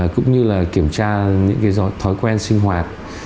cũng như kiểm tra những thói quen sinh hoạt